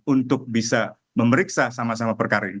untuk bisa memeriksa sama sama perkara ini